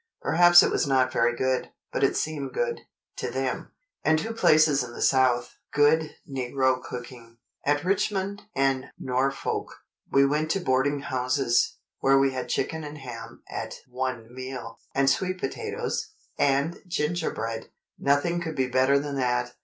Perhaps it was not very good, but it seemed good, to them. And two places in the South—good negro cooking: "At Richmond and Norfolk, we went to boarding houses, where we had chicken and ham at one meal, and sweet potatoes, and gingerbread! Nothing could be better than that.